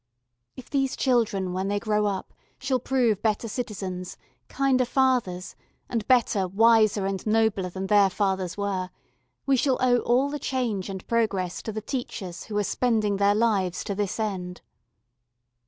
If these children when they grow up shall prove better citizens, kinder fathers, and better, wiser, and nobler than their fathers were, we shall owe all the change and progress to the teachers who are spending their lives to this end.